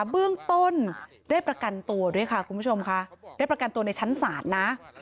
เบื้องต้นได้ประกันตัวด้วยค่ะคุณผู้ชมค่ะได้ประกันตัวในชั้นศาลนะ